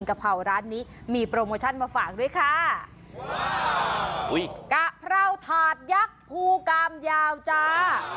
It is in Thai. กะเพราร้านนี้มีโปรโมชั่นมาฝากด้วยค่ะอุ้ยกะเพราถาดยักษ์ภูกามยาวจ้า